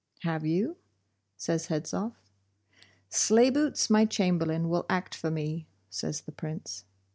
'Have you?' says Hedzoff. 'Sleibootz, my Chamberlain, will act for me,' says the Prince.